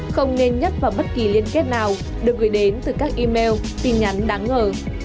không nên nhấp vào bất kỳ liên kết nào được gửi đến từ các email tin nhắn đáng ngờ